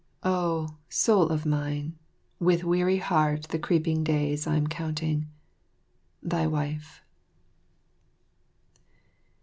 Oh, Soul of Mine, with weary heart the creeping days I'm counting. Thy Wife.